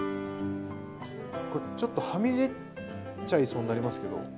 ちょっとはみ出ちゃいそうになりますけど。